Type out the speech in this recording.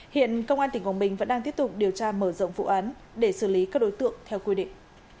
hiện công an tỉnh quảng bình vẫn đang tiếp tục điều tra mở rộng vụ án để xử lý các đối tượng theo quy định